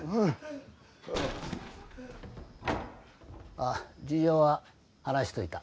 あっ事情は話しといた。